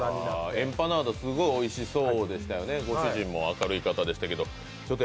エンパナーダ、すごいおいしそうですよね、ご主人も明るい方でしたけど。